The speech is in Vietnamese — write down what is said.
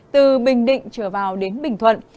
từ bình định trở vào đến bình thuận